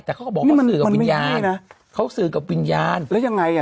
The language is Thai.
แต่เขาก็บอกว่ามันไม่ใช่นะเขาสื่อกับปริญญาณแล้วยังไงอ่ะ